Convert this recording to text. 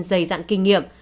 giày dạng kinh nghiệm